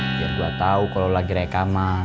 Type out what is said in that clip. biar gue tau kalo lagi rekaman